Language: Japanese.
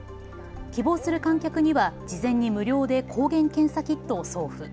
希望する観客には事前に無料で抗原検査キットを送付。